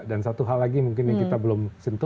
dan satu hal lagi mungkin yang kita belum tahu